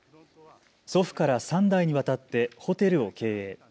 祖父から３代にわたってホテルを経営。